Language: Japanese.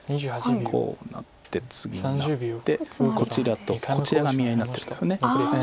こうなってツギになってこちらとこちらが見合いになってるんですよね。